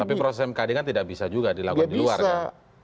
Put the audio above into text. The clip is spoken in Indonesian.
tapi proses mkd kan tidak bisa juga dilakukan di luar kan